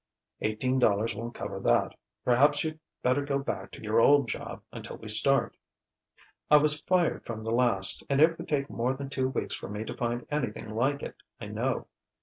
Eighteen dollars won't cover that. Perhaps you'd better go back to your old job until we start." "I was fired from the last, and it would take more than two weeks for me to find anything like it, I know."